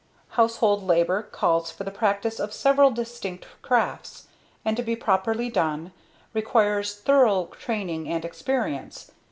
"Household labor calls for the practice of several distinct crafts, and, to be properly done, requires thorough training and experience.